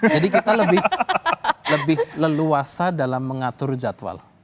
jadi kita lebih leluasa dalam mengatur jadwal